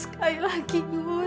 sekali lagi yuyun